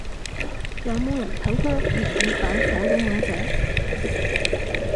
有冇人睇過粵語版火影忍者？